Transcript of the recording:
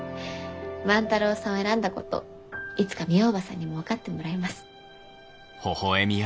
万太郎さんを選んだこといつかみえ叔母さんにも分かってもらいます。